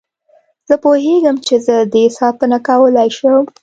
زه پوهېږم چې زه دې ساتنه کولای شم.